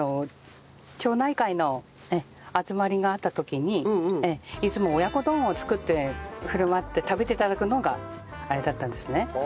町内会の集まりがあった時にいつも親子丼を作って振る舞って食べて頂くのがあれだったんですね。